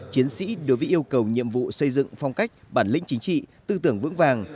chiến sĩ đối với yêu cầu nhiệm vụ xây dựng phong cách bản lĩnh chính trị tư tưởng vững vàng